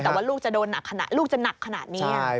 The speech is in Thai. แต่ว่าลูกจะนักขนาดนี้